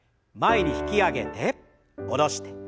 前に引き上げて下ろして。